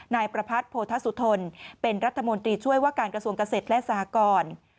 นายประพัทธโพธสุทนเป็นรัฐมนตรีช่วยว่าการกระทรวงเกษตรและสหกร